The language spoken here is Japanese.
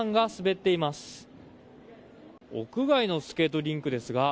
スケートリンクです。